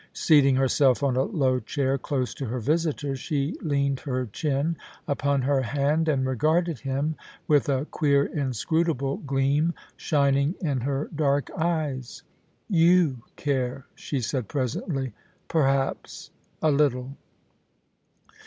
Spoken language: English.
Seating herself on a low chair close to her visitor, she leaned her chin upon her hand and regarded him, with a queer, inscrutable gleam shining in her dark eyes. ' You care,' she said presently, * perhaps —a little.'